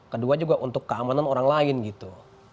kedua juga untuk keamanan orang lain gitu